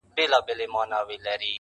• له آدمه تر دې دمه ټول پیران یو -